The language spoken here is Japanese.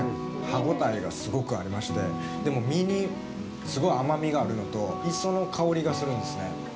歯応えがすごくありましてでも、身にすごい甘みがあるのと磯の香りがするんですね。